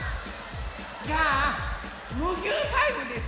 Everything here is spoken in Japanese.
じゃあムギュータイムですよ！